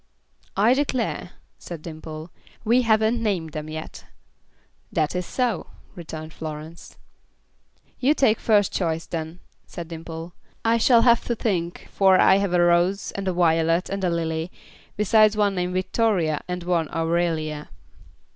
"I declare," said Dimple, "we haven't named them yet." "That is so," returned Florence. "You take first choice, then," said Dimple. "I shall have to think, for I've had a Rose and a Violet and a Lily, besides one named Victoria, and one Aurelia."